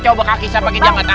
coba kaki saya pakai jangka tangan